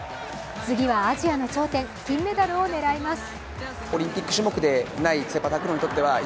次はアジアの頂点、金メダルを狙います。